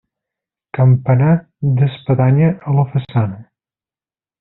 Campanar d'espadanya a la façana.